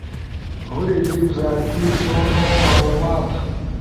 ہُورے جیِب، زاتی سونو معلومات